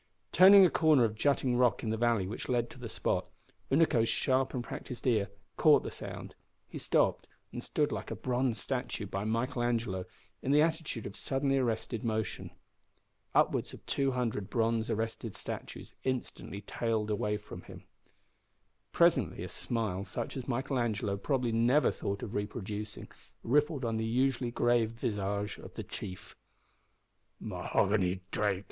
Turning a corner of jutting rock in the valley which led to the spot, Unaco's sharp and practised ear caught the sound. He stopped and stood like a bronze statue by Michael Angelo in the attitude of suddenly arrested motion. Upwards of two hundred bronze arrested statues instantly tailed away from him. Presently a smile, such as Michael Angelo probably never thought of reproducing, rippled on the usually grave visage of the chief. "M'ogany Drake!"